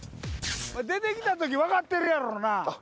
・出てきたとき分かってるやろうな？